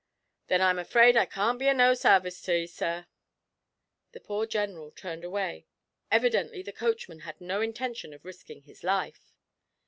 'Then I'm afraid I can't be of no sarvice to 'ee, sir.' The poor General turned away: evidently the coachman had no intention of risking his life.